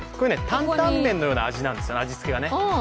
担々麺のような味なんでね、味付けがね。